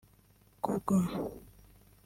Google